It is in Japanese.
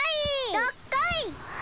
どっこい！